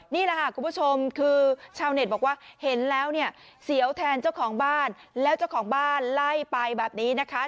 นี่แหละค่ะคุณผู้ชมคือชาวเน็ตบอกว่าเห็นแล้วเนี่ยเสียวแทนเจ้าของบ้านแล้วเจ้าของบ้านไล่ไปแบบนี้นะคะ